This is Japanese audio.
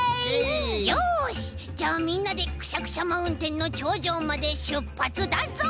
よしじゃあみんなでくしゃくしゃマウンテンのちょうじょうまでしゅっぱつだぞう！